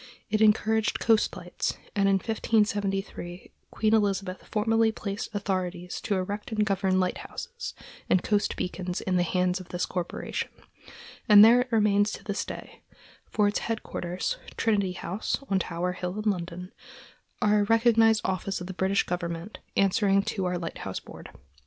It encouraged coast lights, and in 1573 Queen Elizabeth formally placed authority to erect and govern lighthouses and coast beacons in the hands of this corporation, and there it remains to this day; for its headquarters, Trinity House, on Tower Hill, in London, are a recognized office of the British government, answering to our Lighthouse Board.